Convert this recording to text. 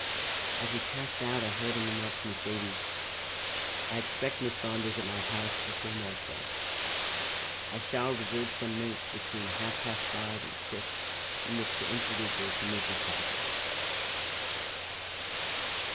As he passed out I heard him remark to Miss Davies: "I expect Miss Saunders at my house before nightfall. I shall reserve some minutes between half past five and six in which to introduce her to Mrs. Packard."